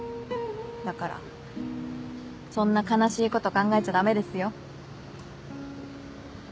だからそんな悲しいこと考えちゃ駄目ですよ。